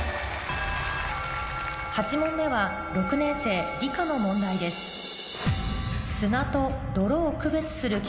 ８問目は６年生理科の問題ですえっ。